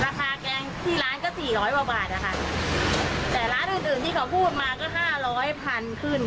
ราคาแกงที่ร้านก็๔๐๐บาทแต่ร้านอื่นที่เขาพูดมาก็๕๐๐๐๐๐บาทขึ้น